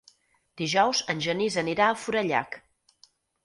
Dijous en Genís anirà a Forallac.